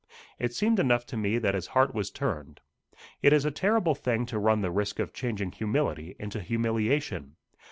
It seemed enough to me that his heart was turned. It is a terrible thing to run the risk of changing humility into humiliation.